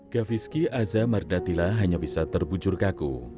gaviski aza mardatila hanya bisa terbujur kaku